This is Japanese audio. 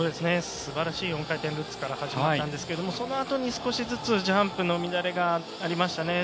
すばらしい４回転ルッツから始まりましたが、その後に少しずつジャンプの乱れがありました。